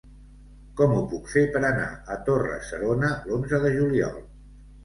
Com ho puc fer per anar a Torre-serona l'onze de juliol?